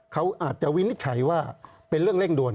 เขาอาจจะวินิจฉัยว่าเป็นเรื่องเร่งด่วน